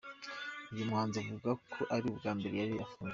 Uyu muhanzi avuga ko ari ubwa mbere yari afunzwe.